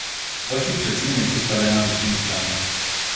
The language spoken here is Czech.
Další předsíň je přistavěna z jižní strany.